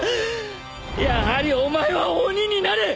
やはりお前は鬼になれ！